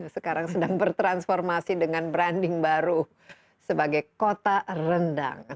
sekarang sedang bertransformasi dengan branding baru sebagai kota rendang